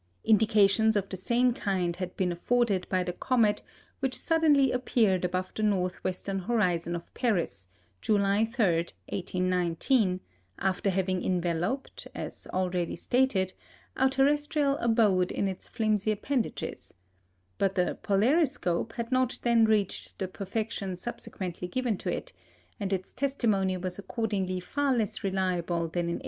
Indications of the same kind had been afforded by the comet which suddenly appeared above the north western horizon of Paris, July 3, 1819, after having enveloped (as already stated) our terrestrial abode in its filmy appendages; but the "polariscope" had not then reached the perfection subsequently given to it, and its testimony was accordingly far less reliable than in 1835.